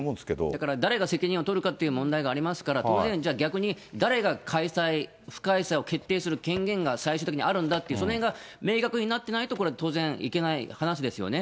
だから、誰が責任を取るかという問題がありますから、逆に当然、誰が開催、不開催を決定する権限が最終的にあるんだっていう、そのへんが明確になっていないとこれ、当然いけない話ですよね。